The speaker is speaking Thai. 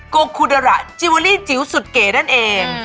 โกคุเดอระจิเวอรี่จิ๋วสุดเก๋นั่นเอง